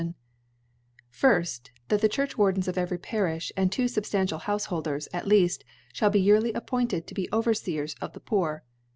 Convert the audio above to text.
* enafts : Firfty That the Churchwardens of every Fari(h, and two fubftantial Houfeholdera a^ leaft, fhall be yearly appointed to be Ovef iccrs of the Ppor.